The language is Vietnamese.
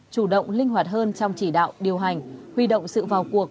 chủ động linh hoạt hơn trong chỉ đạo điều hành huy động sự vào cuộc